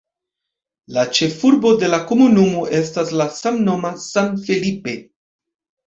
La ĉefurbo de la komunumo estas la samnoma San Felipe.